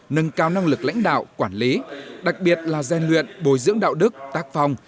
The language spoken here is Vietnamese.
nâng cao năng lực lãnh đạo quản lý đặc biệt là gian luyện bồi dưỡng đạo đức tác phong